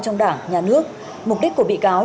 trong đảng nhà nước mục đích của bị cáo